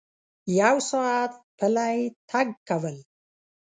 یو ساعت پلی تګ کول